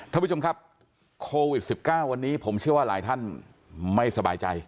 ท่านผู้ชมครับโควิด๑๙วันนี้ผมเชื่อว่าหลายท่านไม่สบายใจ